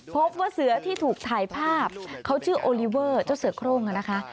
พบว่าเสือที่ถูกถ่ายภาพเขาชื่อโอลิเวอร์เจ้าเสือโครงนะคะ